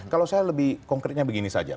kalau saya lebih konkretnya begini saja